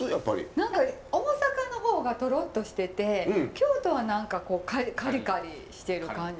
何か大阪の方がとろっとしてて京都は何かこうカリカリしてる感じ。